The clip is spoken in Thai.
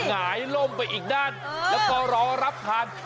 หงายล่มไปอีกด้านแล้วก็รอรับทาน